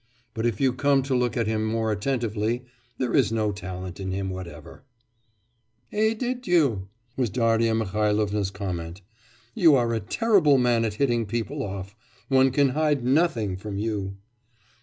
But if you come to look at him more attentively, there is no talent in him whatever.' 'Et de deux!' was Darya Mihailovna's comment. 'You are a terrible man at hitting people off. One can hide nothing from you.